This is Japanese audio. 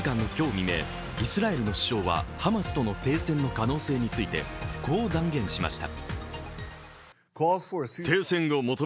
未明、イスラエルの首相はハマスとの停戦の可能性についてこう断言しました。